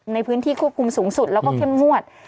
ในพื้นที่ควบคุมสูงสุดแล้วก็เข้มงวด